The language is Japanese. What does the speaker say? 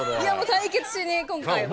対決しに今回は。